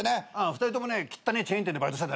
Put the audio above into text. ２人ともきったねえチェーン店でバイトして。